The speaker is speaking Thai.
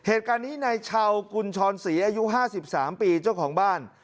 เหตุการณ์นี้ในชาวกุญชรศรีอายุ๕๓ปีเจ้าของบ้าน